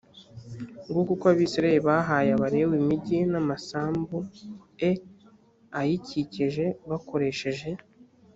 nguko uko abisirayeli bahaye abalewi imigi n amasambu e ayikikije bakoresheje